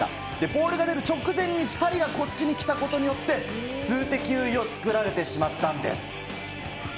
ボールが出る直前に２人がこっちに来たことによって、数的優位を作られてしまったんです。